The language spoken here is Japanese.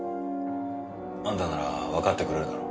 あんたならわかってくれるだろ？